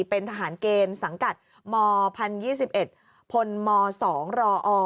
เป็นทหารเกมสังกัดมภศ๒๐๒๑พศ๒รอ